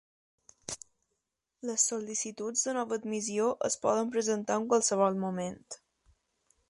Les sol·licituds de nova admissió es poden presentar en qualsevol moment.